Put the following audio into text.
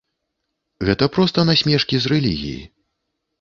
Гэта проста насмешкі з рэлігіі.